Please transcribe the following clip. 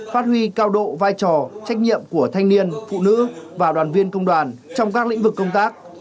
phát huy cao độ vai trò trách nhiệm của thanh niên phụ nữ và đoàn viên công đoàn trong các lĩnh vực công tác